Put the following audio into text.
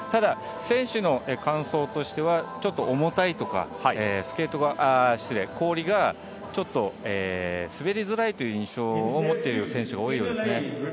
ただ選手の感想としては、ちょっと重たいとか、氷がちょっと滑りづらいという印象を持っている選手が多いみたいです。